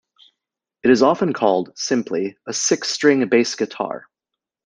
It is often called, simply, a "six string bass guitar".